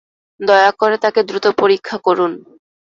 দয়া করে তাকে দ্রুত পরীক্ষা করুন।